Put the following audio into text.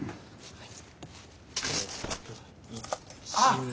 はい。